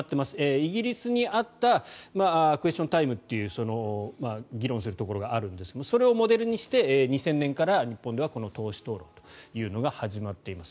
イギリスにあったクエスチョン・タイムという議論するところがあるんですがそれをモデルにして２０００年から日本ではこの党首討論が始まっています。